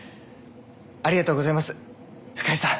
ありがとうございます深井さん！